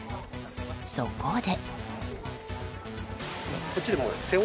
そこで。